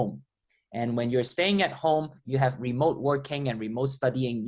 dan ketika anda tinggal di rumah anda memiliki kebutuhan bekerja dan belajar di luar